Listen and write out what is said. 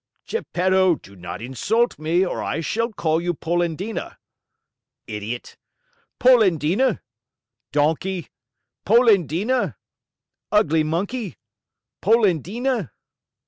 "Geppetto, do not insult me or I shall call you Polendina." "Idiot." "Polendina!" "Donkey!" "Polendina!" "Ugly monkey!" "Polendina!"